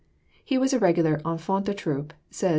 He was a regular enfant de troupe, says M.